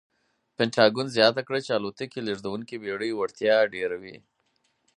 پنټاګون زیاته کړې چې الوتکې لېږدونکې بېړۍ وړتیا ډېروي.